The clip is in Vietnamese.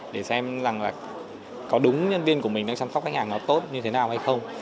để xem có đúng nhân viên của mình đang chăm sóc khách hàng tốt như thế nào hay không